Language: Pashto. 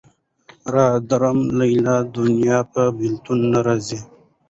را درومه لالیه دونيا په بېلتون نه ارځي